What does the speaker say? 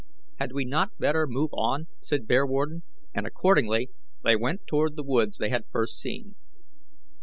"Had we not better move on?" said Bearwarden, and accordingly they went toward the woods they had first seen.